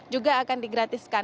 juga akan di gratiskan